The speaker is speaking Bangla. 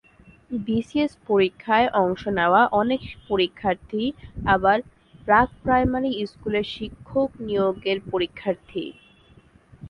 বিসিএস পরীক্ষায় অংশ নেওয়া অনেক পরীক্ষার্থীই আবার প্রাক্-প্রাইমারি স্কুলের শিক্ষক নিয়োগের পরীক্ষার্থী।